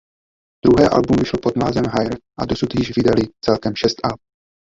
Druhé album vyšlo pod názvem "Higher" a dosud již vydali celkem šest alb.